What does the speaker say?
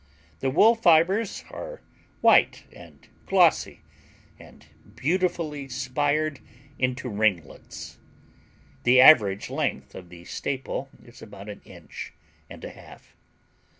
The wool fibers are white and glossy, and beautifully spired into ringlets. The average length of the staple is about an inch and a half.